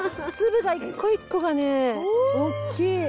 粒が一個一個がね大きい。